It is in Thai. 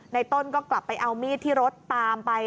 ต้นก็กลับไปเอามีดที่รถตามไป